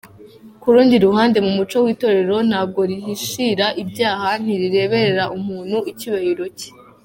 Ku rundi ruhande, mu muco w’itorero ntabwo rihishira ibyaha, ntirirebera umuntu icyubahiro cye.